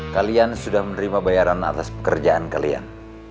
kalian sudah menerima bayaran atas pekerjaan kalian